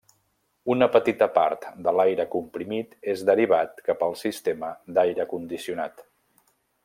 Una petita part de l'aire comprimit és derivat cap al sistema d'aire condicionat.